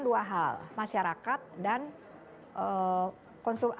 dua hal masyarakat dan